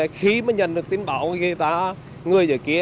khi mà nhận được tin báo người dưới kia